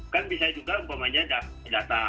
kan bisa juga data rumah sakit data penduduk